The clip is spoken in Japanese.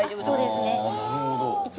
そうですね